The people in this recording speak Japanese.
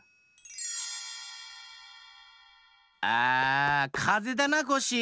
ああかぜだなコッシー。